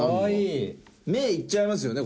目いっちゃいますよね